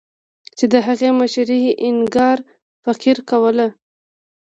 چې د هغې مشري اینیګار فقیر کوله.